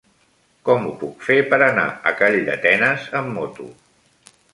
Com ho puc fer per anar a Calldetenes amb moto?